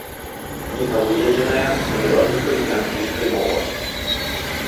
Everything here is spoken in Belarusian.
Кніга выдадзеная на беларускай і англійскай мовах.